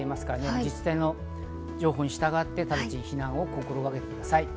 自治体の情報に従ってぜひ避難を心がけてください。